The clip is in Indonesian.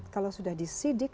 kalau sudah disidik